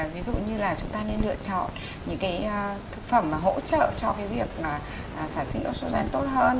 ví dụ như là chúng ta nên lựa chọn những cái thực phẩm hỗ trợ cho cái việc sản sinh estrogen tốt hơn